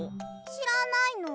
しらないの？